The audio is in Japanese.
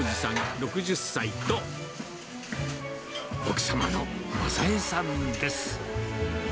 ６０歳と、奥様の正江さんです。